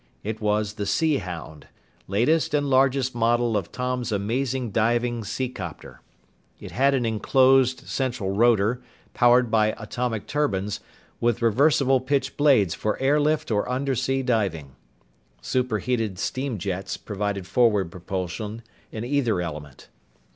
It was the Sea Hound, latest and largest model of Tom's amazing diving seacopter. It had an enclosed central rotor, powered by atomic turbines, with reversible pitch blades for air lift or undersea diving. Superheated steam jets provided forward propulsion in either element.